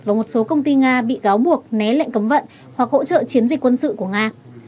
và một số công ty nga bị cáo buộc né lệnh cấm vận hoặc hỗ trợ chiến dịch quân sự của nga